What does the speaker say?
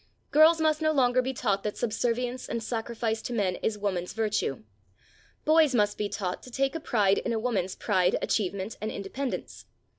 Girls must no longer be taught that subservience and sacrifice to men is woman's virtue; boys must be taught to take a pride in a woman's pride, achievement and independence.